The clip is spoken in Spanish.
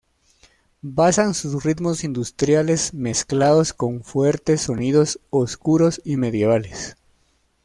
Basan sus ritmos industriales mezclados con fuertes sonidos oscuros y medievales.